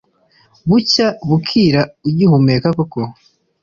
bucya bukira ugihumeka koko